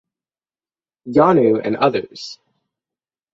Janu and others.